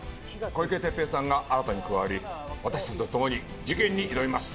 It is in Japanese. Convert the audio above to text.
小池徹平さんが新たに加わり私たちと共に事件に挑みます。